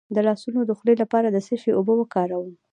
د لاسونو د خولې لپاره د څه شي اوبه وکاروم؟